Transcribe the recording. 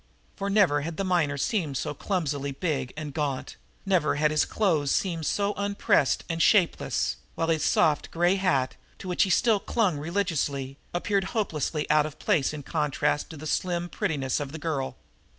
For never had the miner seemed so clumsily big and gaunt, never had his clothes seemed so unpressed and shapeless, while his soft gray hat, to which he still clung religiously, appeared hopelessly out of place in contrast with the slim prettiness of the girl.